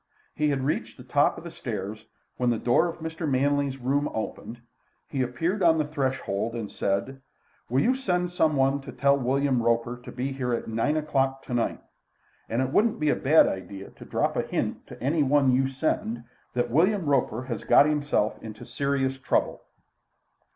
He had reached the top of the stairs when the door of Mr. Manley's room opened; he appeared on the threshold and said: "Will you send some one to tell William Roper to be here at nine o'clock tonight? And it wouldn't be a bad idea to drop a hint to any one you send that William Roper has got himself into serious trouble."